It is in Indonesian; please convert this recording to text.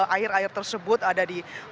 air air tersebut ada di